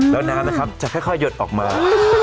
แล้วน้ำนะครับจะค่อยหยดออกมา